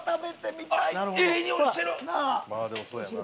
まあでもそうやんな。